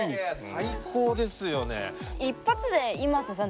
最高ですよね。